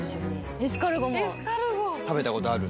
エスカルゴも食べたことある？